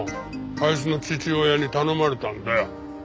あいつの父親に頼まれたんだよ。